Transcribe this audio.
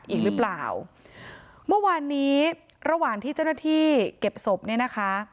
อีกหรือเปล่าเมื่อวานนี้ระหว่างที่เจ้าหน้าที่เก็บศพเนี่ยนะคะ